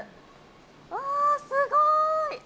わー、すごい。